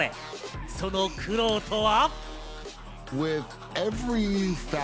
その苦労とは。